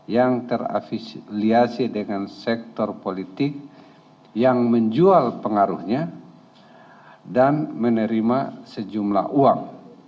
yang terafisiasi dengan sektor politik yang menjual pengaruhnya dan menerima sejumlah uang